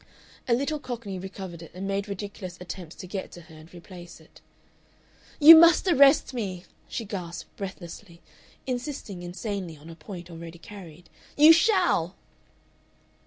A little Cockney recovered it, and made ridiculous attempts to get to her and replace it. "You must arrest me!" she gasped, breathlessly, insisting insanely on a point already carried; "you shall!"